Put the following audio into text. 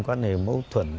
quan hệ mâu thuẫn